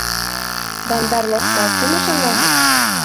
Бандар-логҡа кем ышана һуң?